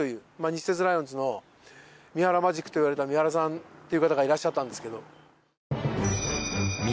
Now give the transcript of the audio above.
西鉄ライオンズの三原マジックといわれた三原さんっていう方がいらっしゃったんですけど。